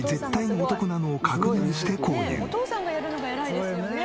お父さんがやるのが偉いですよね。